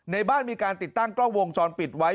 ในบ้านมีการติดตั้งกล้องวงจรปิดไว้